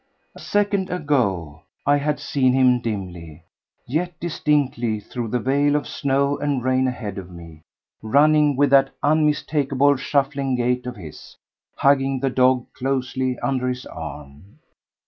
A second ago I had seen him dimly, yet distinctly through the veil of snow and rain ahead of me, running with that unmistakable shuffling gait of his, hugging the dog closely under his arm.